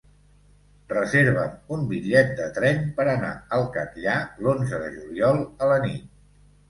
Reserva'm un bitllet de tren per anar al Catllar l'onze de juliol a la nit.